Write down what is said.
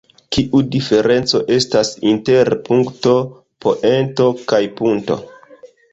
Kiu diferenco estas inter punkto, poento kaj punto?